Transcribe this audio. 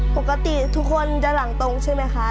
ปกติทุกคนจะหลังตรงใช่ไหมคะ